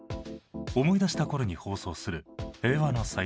思い出したころに放送する平和の祭典